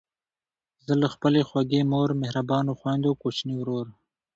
زه له خپلې خوږې مور، مهربانو خویندو، کوچني ورور،